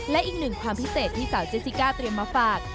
และอีกหนึ่งความพิเศษที่สาวเจสจิก้าเตรียมมาฝาก